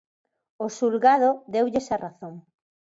O xulgado deulles a razón.